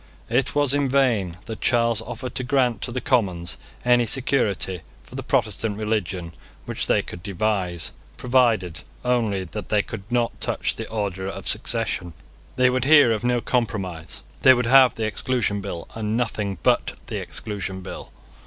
It was in vain that Charles offered to grant to the Commons any security for the Protestant religion which they could devise, provided only that they would not touch the order of succession. They would hear of no compromise. They would have the Exclusion Bill, and nothing but the Exclusion Bill.